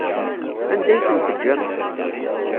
Anda ay ten-tejjam?